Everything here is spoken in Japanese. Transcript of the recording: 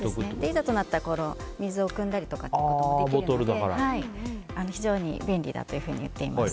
いざとなったら水をくんだりもできますので非常に便利だというふうに言っています。